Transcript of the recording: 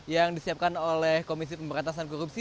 yang disiapkan oleh komisi pemberantasan korupsi